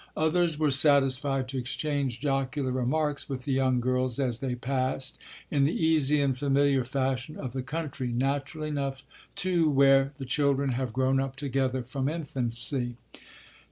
Others were satisfied to exchange jocular remarks with the young girls as they passed, in the easy and familiar fashion of the country, natural enough too where the children have grown up together from infancy.